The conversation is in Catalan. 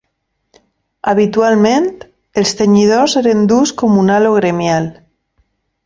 Habitualment, els tenyidors eren d'ús comunal o gremial.